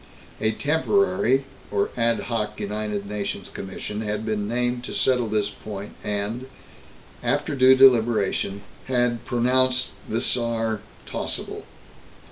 A temporary or ad hoc United Nations commission had been named to settle this point and, after due deliberation, had pronounced the Saar tossable.